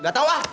gak tau ah